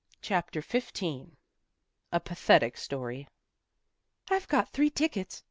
CHAPTER XV A PATHETIC STORY " I'VE got three tickets.